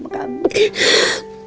mbak pernah tau ya